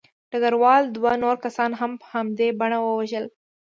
ډګروال دوه نور کسان هم په همدې بڼه ووژل